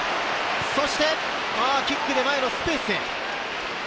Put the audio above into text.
そしてキックで前のスペースへ。